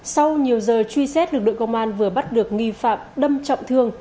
sau nhiều giờ truy xét lực lượng công an vừa bắt được nghi phạm đâm trọng thương